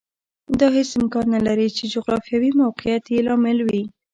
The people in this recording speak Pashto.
دا هېڅ امکان نه لري چې جغرافیوي موقعیت یې لامل وي